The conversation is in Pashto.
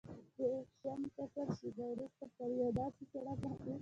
دېرشم فصل، شېبه وروسته پر یو داسې سړک باندې.